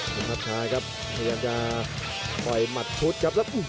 สภาพชายครับพยายามจะต่อยหมัดชุดครับ